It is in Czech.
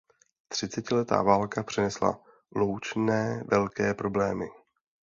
Třicetiletá válka přinesla Loučné velké problémy.